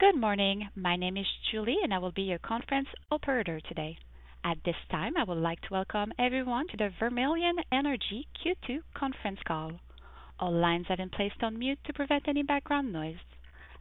Good morning. My name is Julie, and I will be your conference operator today. At this time, I would like to welcome everyone to the Vermilion Energy Q2 conference call. All lines have been placed on mute to prevent any background noise.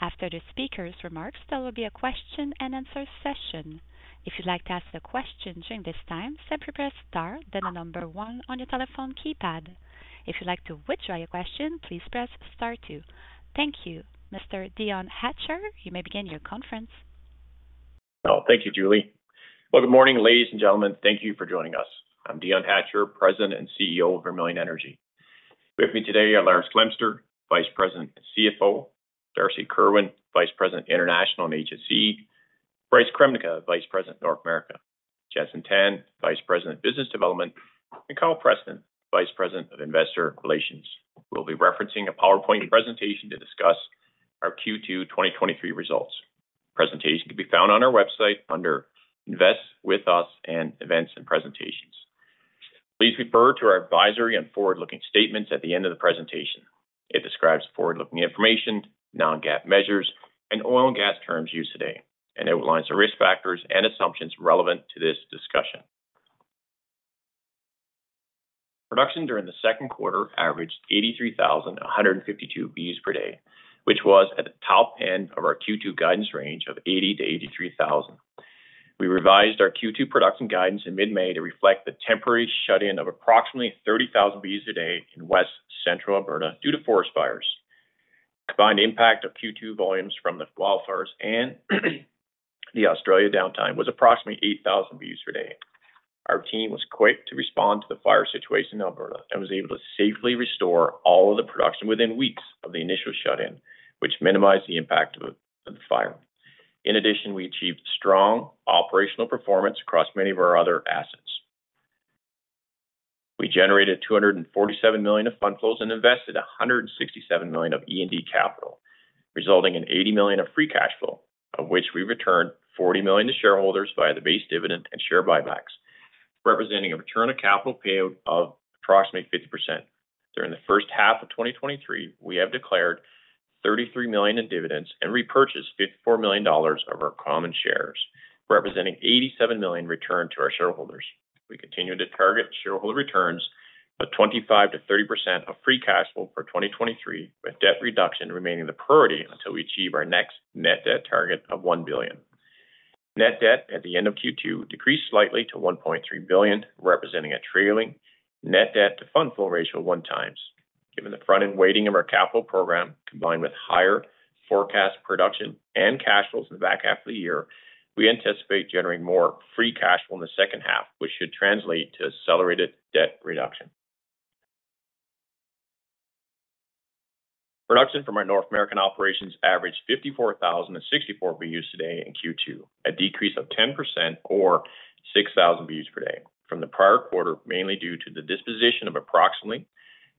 After the speaker's remarks, there will be a question and answer session. If you'd like to ask a question during this time, simply press Star, then 1 on your telephone keypad. If you'd like to withdraw your question, please press Star 2. Thank you. Mr. Dion Hatcher, you may begin your conference. Oh, thank you, Julie. Well, good morning, ladies and gentlemen. Thank you for joining us. I'm Dion Hatcher, President and CEO of Vermilion Energy. With me today are Lars Glemser, Vice President and CFO, Darcy Kerwin, Vice President, International and HSE, Bryce Kremnica, Vice President, North America, Jason Tan, Vice President, Business Development, and Carl Preston, Vice President of Investor Relations. We'll be referencing a PowerPoint presentation to discuss our Q2 2023 results. Presentation can be found on our website under Invest With Us and Events and Presentations. Please refer to our advisory and forward-looking statements at the end of the presentation. It describes forward-looking information, non-GAAP measures, and oil and gas terms used today, and it outlines the risk factors and assumptions relevant to this discussion. Production during the second quarter averaged 83,152 BOEs per day, which was at the top end of our Q2 guidance range of 80,000-83,000. We revised our Q2 production guidance in mid-May to reflect the temporary shut-in of approximately 30,000 BOEs a day in West Central Alberta due to forest fires. The combined impact of Q2 volumes from the wildfires and the Australia downtime was approximately 8,000 BOEs per day. Our team was quick to respond to the fire situation in Alberta and was able to safely restore all of the production within weeks of the initial shut-in, which minimized the impact of the fire. In addition, we achieved strong operational performance across many of our other assets. We generated 247 million of FFO and invested 167 million of E&D capital, resulting in 80 million of free cash flow, of which we returned 40 million to shareholders via the base dividend and share buybacks, representing a return of capital payout of approximately 50%. During the first half of 2023, we have declared 33 million in dividends and repurchased 54 million dollars of our common shares, representing 87 million returned to our shareholders. We continue to target shareholder returns of 25%-30% of free cash flow for 2023, with debt reduction remaining the priority until we achieve our next net debt target of 1 billion. Net debt at the end of Q2 decreased slightly to 1.3 billion, representing a trailing net debt to FFO ratio of 1 times. Given the front-end weighting of our capital program, combined with higher forecast production and cash flows in the back half of the year, we anticipate generating more free cash flow in the second half, which should translate to accelerated debt reduction. Production from our North America operations averaged 54,064 BOEs per day in Q2, a decrease of 10% or 6,000 BOEs per day from the prior quarter, mainly due to the disposition of approximately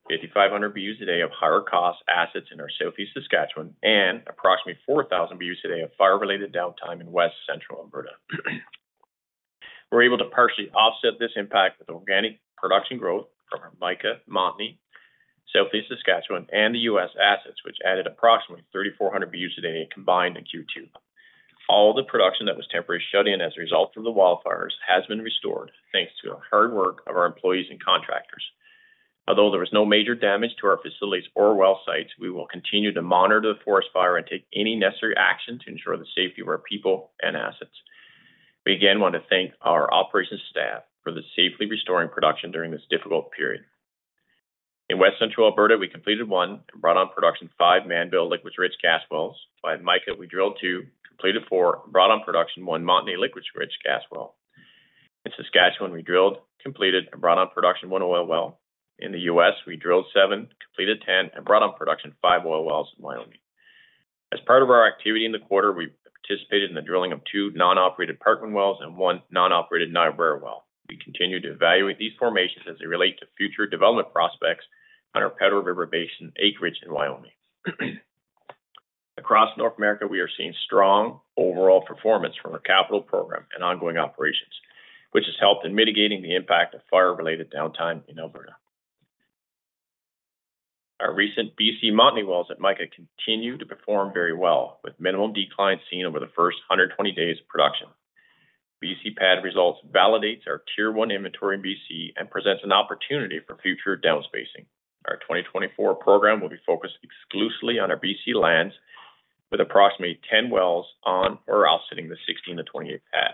5,500 BOEs per day of higher cost assets in our Southeast Saskatchewan and approximately 4,000 BOEs per day of fire-related downtime in West Central Alberta. We're able to partially offset this impact with organic production growth from our Mica, Montney, Southeast Saskatchewan, and the US assets, which added approximately 3,400 BOEs per day combined in Q2. All the production that was temporarily shut in as a result of the wildfires has been restored, thanks to the hard work of our employees and contractors. Although there was no major damage to our facilities or well sites, we will continue to monitor the forest fire and take any necessary action to ensure the safety of our people and assets. We again want to thank our operations staff for the safely restoring production during this difficult period. In West Central Alberta, we completed one and brought on production five Mannville liquids-rich gas wells. By Mica, we drilled two, completed four, and brought on production one Montney liquids-rich gas well. In Saskatchewan, we drilled, completed, and brought on production one oil well. In the U.S., we drilled seven, completed 10, and brought on production five oil wells in Wyoming. As part of our activity in the quarter, we participated in the drilling of 2 non-operated Parkman wells and 1 non-operated Niobrara well. We continue to evaluate these formations as they relate to future development prospects on our Powder River Basin acreage in Wyoming. Across North America, we are seeing strong overall performance from our capital program and ongoing operations, which has helped in mitigating the impact of fire-related downtime in Alberta. Our recent BC Montney wells at Mica continue to perform very well, with minimum declines seen over the first 120 days of production. BC pad results validates our Tier One inventory in BC and presents an opportunity for future downspacing. Our 2024 program will be focused exclusively on our BC lands, with approximately 10 wells on or offsetting the 16-28 pad.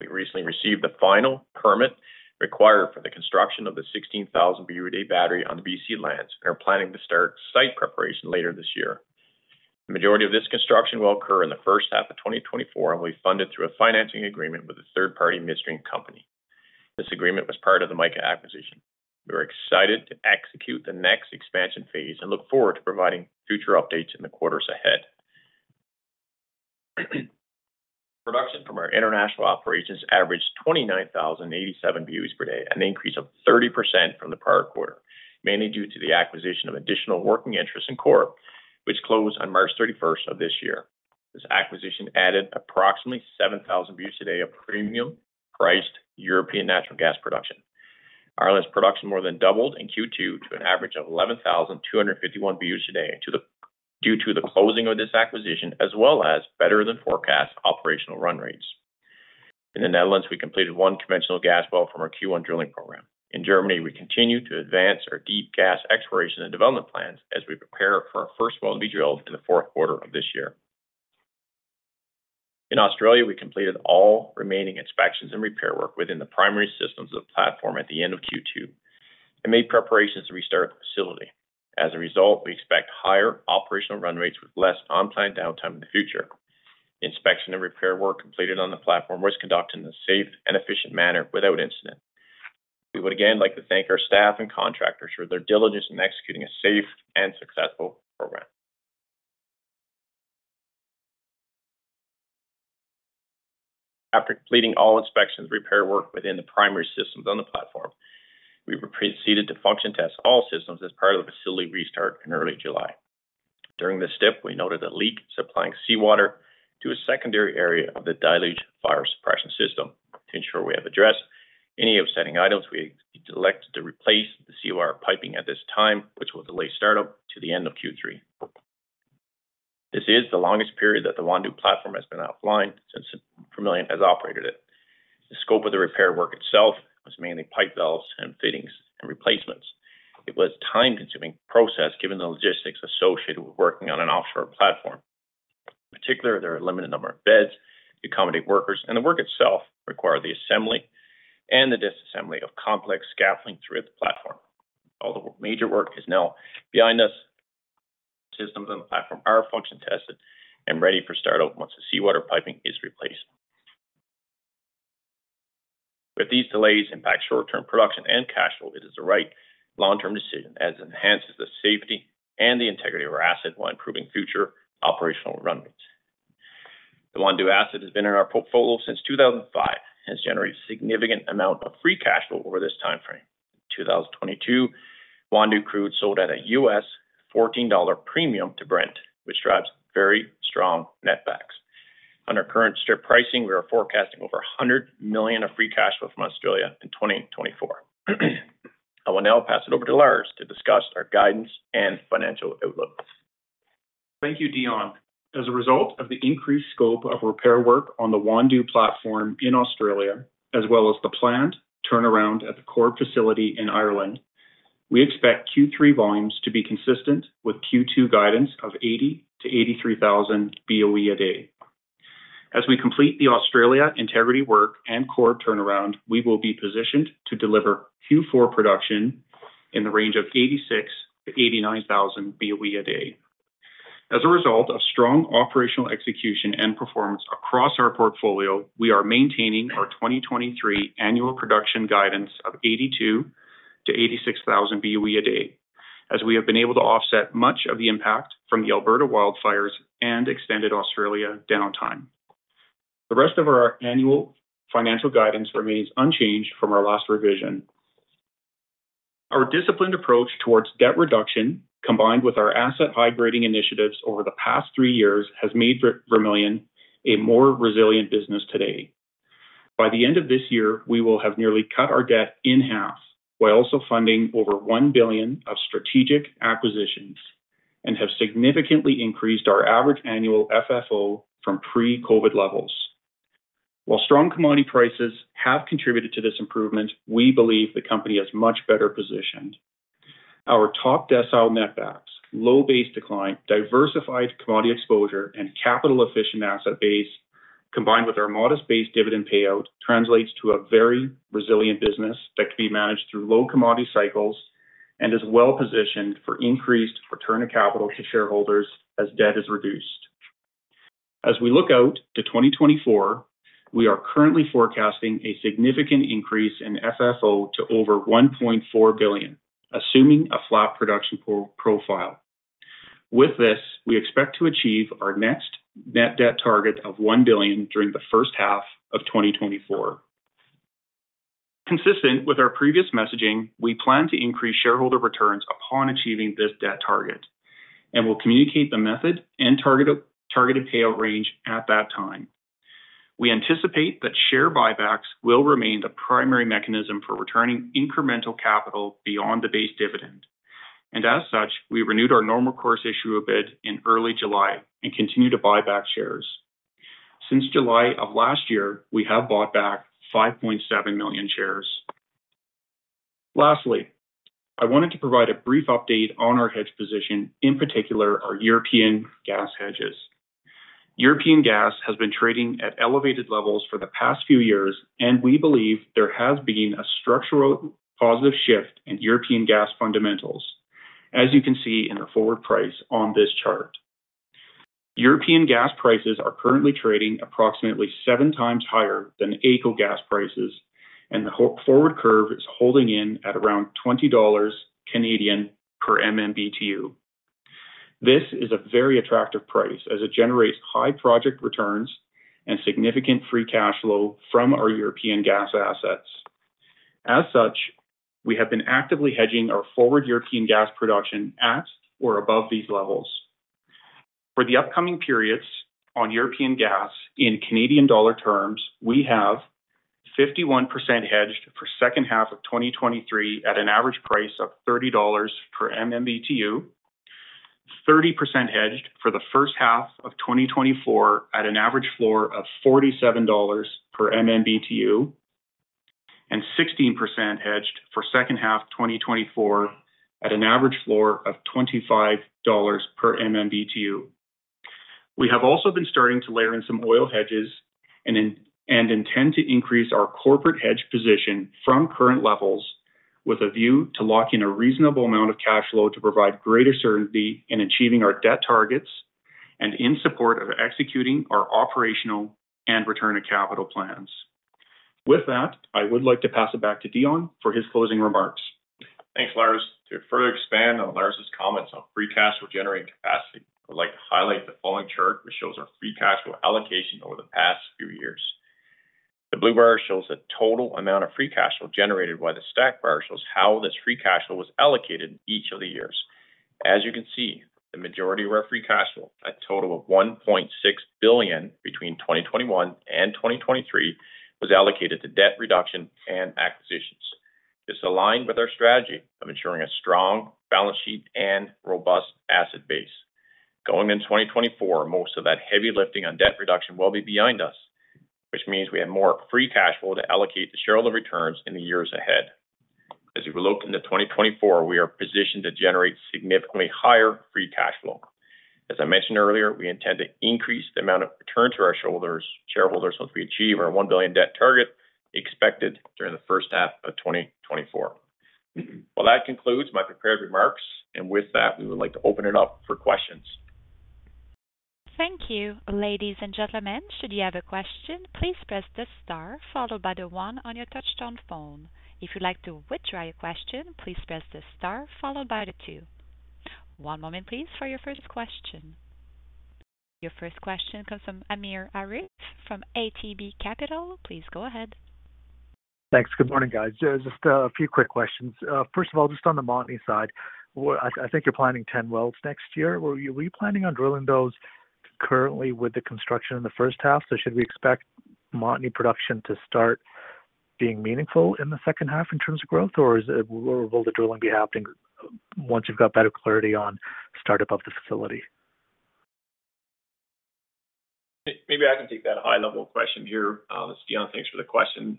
We recently received the final permit required for the construction of the 16,000 BOE a day battery on the BC lands and are planning to start site preparation later this year. The majority of this construction will occur in the first half of 2024 and will be funded through a financing agreement with a third-party midstream company. This agreement was part of the Mica acquisition. We are excited to execute the next expansion phase and look forward to providing future updates in the quarters ahead. Production from our international operations averaged 29,087 BOEs per day, an increase of 30% from the prior quarter, mainly due to the acquisition of additional working interests in Corrib, which closed on March 31st of this year. This acquisition added approximately 7,000 BOEs per day of premium-priced European natural gas production. Ireland's production more than doubled in Q2 to an average of 11,251 BOE a day due to the closing of this acquisition, as well as better than forecast operational run rates. In the Netherlands, we completed one conventional gas well from our Q1 drilling program. In Germany, we continued to advance our deep gas exploration and development plans as we prepare for our first well to be drilled in the fourth quarter of this year. In Australia, we completed all remaining inspections and repair work within the primary systems of the platform at the end of Q2, and made preparations to restart the facility. As a result, we expect higher operational run rates with less on-time downtime in the future. Inspection and repair work completed on the platform was conducted in a safe and efficient manner without incident. We would again like to thank our staff and contractors for their diligence in executing a safe and successful program. After completing all inspections and repair work within the primary systems on the platform, we proceeded to function test all systems as part of the facility restart in early July. During this step, we noted a leak supplying seawater to a secondary area of the deluge fire suppression system. To ensure we have addressed any upsetting items, we elected to replace the seawater piping at this time, which will delay startup to the end of Q3. This is the longest period that the Wandoo platform has been offline since Vermilion has operated it. The scope of the repair work itself was mainly pipe valves and fittings and replacements. It was time-consuming process, given the logistics associated with working on an offshore platform. In particular, there are a limited number of beds to accommodate workers, and the work itself required the assembly and the disassembly of complex scaffolding throughout the platform. All the major work is now behind us. Systems on the platform are function tested and ready for startup once the seawater piping is replaced. With these delays impact short-term production and cash flow, it is the right long-term decision as it enhances the safety and the integrity of our asset while improving future operational run rates. The Wandoo asset has been in our portfolio since 2005 and has generated a significant amount of free cash flow over this timeframe. In 2022, Wandoo crude sold at a US $14 premium to Brent, which drives very strong netbacks. Under current strip pricing, we are forecasting over 100 million of free cash flow from Australia in 2024. I will now pass it over to Lars to discuss our guidance and financial outlooks. Thank you, Dion. As a result of the increased scope of repair work on the Wandoo platform in Australia, as well as the planned turnaround at the Corrib facility in Ireland, we expect Q3 volumes to be consistent with Q2 guidance of 80,000-83,000 BOE a day. As we complete the Australia integrity work and Corrib turnaround, we will be positioned to deliver Q4 production in the range of 86,000-89,000 BOE a day. As a result of strong operational execution and performance across our portfolio, we are maintaining our 2023 annual production guidance of 82,000-86,000 BOE a day, as we have been able to offset much of the impact from the Alberta wildfires and extended Australia downtime. The rest of our annual financial guidance remains unchanged from our last revision. Our disciplined approach towards debt reduction, combined with our asset-light drilling initiatives over the past three years, has made Vermilion a more resilient business today. By the end of this year, we will have nearly cut our debt in half, while also funding over 1 billion of strategic acquisitions and have significantly increased our average annual FFO from pre-COVID levels. While strong commodity prices have contributed to this improvement, we believe the company is much better positioned. Our top decile netbacks, low base decline, diversified commodity exposure, and capital-efficient asset base, combined with our modest base dividend payout, translates to a very resilient business that can be managed through low commodity cycles and is well-positioned for increased return of capital to shareholders as debt is reduced. As we look out to 2024, we are currently forecasting a significant increase in FFO to over $1.4 billion, assuming a flat production profile. With this, we expect to achieve our next net debt target of $1 billion during the first half of 2024. Consistent with our previous messaging, we plan to increase shareholder returns upon achieving this debt target, and we'll communicate the method and targeted payout range at that time. We anticipate that share buybacks will remain the primary mechanism for returning incremental capital beyond the base dividend, and as such, we renewed our normal course issuer bid in early July and continue to buy back shares. Since July of last year, we have bought back 5.7 million shares. Lastly, I wanted to provide a brief update on our hedge position, in particular, our European gas hedges. European gas has been trading at elevated levels for the past few years, and we believe there has been a structural positive shift in European gas fundamentals, as you can see in the forward price on this chart. European gas prices are currently trading approximately seven times higher than AECO gas prices, and the forward curve is holding in at around 20 Canadian dollars per MMBtu. This is a very attractive price as it generates high project returns and significant free cash flow from our European gas assets. As such, we have been actively hedging our forward European gas production at or above these levels. For the upcoming periods on European gas in Canadian dollar terms, we have 51% hedged for second half of 2023 at an average price of 30 dollars per MMBtu, 30% hedged for the first half of 2024 at an average floor of 47 dollars per MMBtu, and 16% hedged for second half 2024 at an average floor of 25 dollars per MMBtu. We have also been starting to layer in some oil hedges and intend to increase our corporate hedge position from current levels, with a view to lock in a reasonable amount of cash flow to provide greater certainty in achieving our debt targets and in support of executing our operational and return on capital plans. With that, I would like to pass it back to Dion for his closing remarks. Thanks, Lars. To further expand on Lars's comments on free cash flow generating capacity, I'd like to highlight the following chart, which shows our free cash flow allocation over the past few years. The blue bar shows the total amount of free cash flow generated, while the stacked bar shows how this free cash flow was allocated in each of the years. As you can see, the majority of our free cash flow, a total of $1.6 billion between 2021 and 2023, was allocated to debt reduction and acquisitions. This aligned with our strategy of ensuring a strong balance sheet and robust asset base. Going in 2024, most of that heavy lifting on debt reduction will be behind us, which means we have more free cash flow to allocate to shareholder returns in the years ahead. As we look into 2024, we are positioned to generate significantly higher free cash flow. As I mentioned earlier, we intend to increase the amount of return to our shareholders once we achieve our $1 billion debt target, expected during the first half of 2024. Well, that concludes my prepared remarks. With that, we would like to open it up for questions. Thank you. Ladies and gentlemen, should you have a question, please press the star followed by the one on your touchtone phone. If you'd like to withdraw your question, please press the star followed by the two. One moment please, for your first question. Your first question comes from Amir Arif from ATB Capital. Please go ahead. Thanks. Good morning, guys. Just a few quick questions. First of all, just on the Montney side, what... I think you're planning 10 wells next year. Were you planning on drilling those currently with the construction in the first half? Should we expect Montney production to start being meaningful in the second half in terms of growth, or is it, will the drilling be happening once you've got better clarity on startup of the facility? Maybe I can take that high-level question here. This is Dion. Thanks for the question.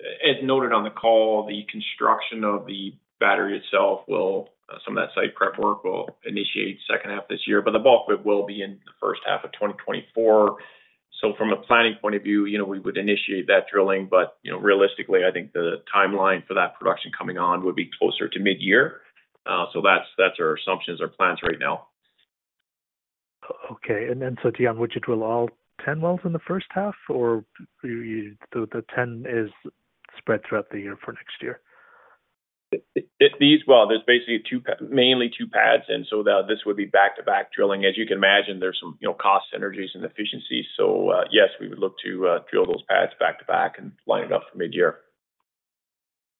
As noted on the call, the construction of the battery itself will, some of that site prep work will initiate second half this year, but the bulk of it will be in the first half of 2024. From a planning point of view, you know, we would initiate that drilling, but, you know, realistically, I think the timeline for that production coming on would be closer to mid-year. That's, that's our assumptions, our plans right now. Okay. Dion, would you drill all 10 wells in the 1st half, or you, the 10 is spread throughout the year for next year? Well, there's basically two, mainly two pads, and so that this would be back-to-back drilling. As you can imagine, there's some, you know, cost synergies and efficiencies. Yes, we would look to drill those pads back-to-back and line it up for mid-year.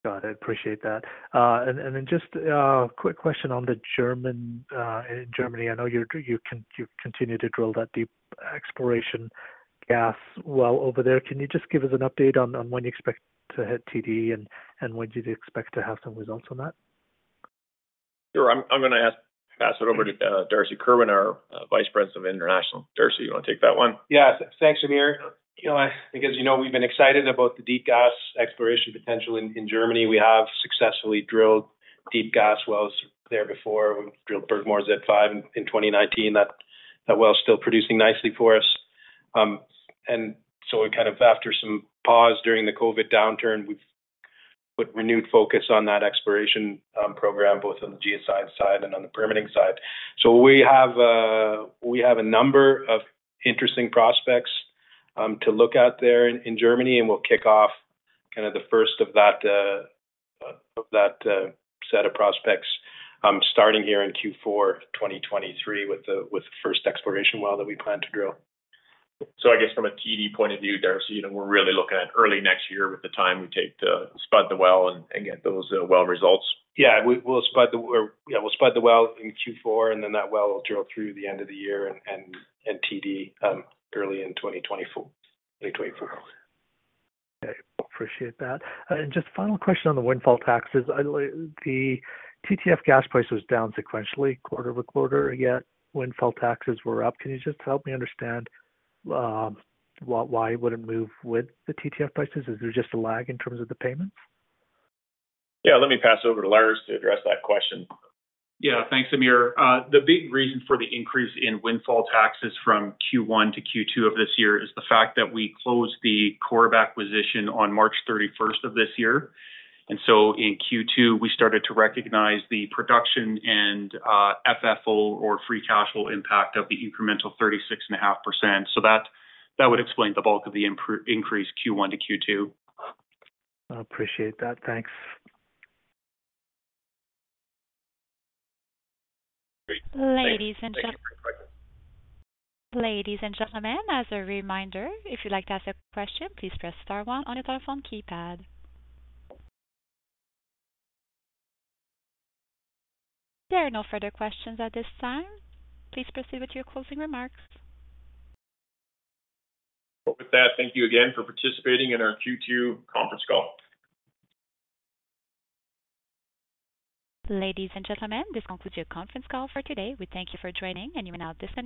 Got it. Appreciate that. Then just a quick question on the German, in Germany. I know you're, you continue to drill that deep exploration gas well over there. Can you just give us an update on when you expect to hit TD and when do you expect to have some results on that? Sure. I'm gonna pass it over to Darcy Kerwin, our Vice President of International. Darcy, you want to take that one? Yes. Thanks, Amir. You know, I, I guess you know we've been excited about the deep gas exploration potential in, in Germany. We have successfully drilled deep gas wells there before. We drilled Burgmoor Z5 in 2019. That, that well is still producing nicely for us. So we kind of, after some pause during the COVID downturn, we've put renewed focus on that exploration program, both on the geoscience side and on the permitting side. We have a number of interesting prospects to look at there in, in Germany, and we'll kick off kind of the first of that of that set of prospects starting here in Q4 2023 with the, with the first exploration well that we plan to drill. I guess from a TD point of view, Darcy, you know, we're really looking at early next year with the time we take to spud the well and, and get those, well results. Yeah, we'll spud the well in Q4, and then that well will drill through the end of the year and TD, early in 2024, late 2024. Okay. Appreciate that. Just final question on the windfall taxes. The TTF gas price was down sequentially, quarter-over-quarter, yet windfall taxes were up. Can you just help me understand why, why it wouldn't move with the TTF prices? Is there just a lag in terms of the payments? Yeah, let me pass over to Lars to address that question. Yeah. Thanks, Amir. The big reason for the increase in windfall taxes from Q1 to Q2 of this year is the fact that we closed the Corrib acquisition on March 31st of this year, and so in Q2, we started to recognize the production and FFO or free cash flow impact of the incremental 36.5%. That, that would explain the bulk of the increase Q1 to Q2. I appreciate that. Thanks. Great. Ladies and. Thank you. Ladies and gentlemen, as a reminder, if you'd like to ask a question, please press star one on your telephone keypad. There are no further questions at this time. Please proceed with your closing remarks. With that, thank you again for participating in our Q2 conference call. Ladies and gentlemen, this concludes your conference call for today. We thank you for joining, and you may now disconnect.